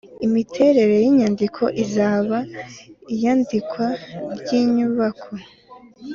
Imiterere y inyandiko isaba iyandikwa ry inyubako